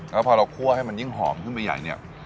แล้วพอเราคั่วให้มันยิ่งหอมขึ้นไปใหญ่เนี่ย